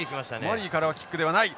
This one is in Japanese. マリーからはキックではない。